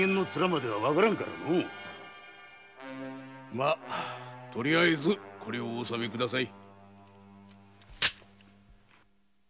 まぁとりあえずこれをお納めください。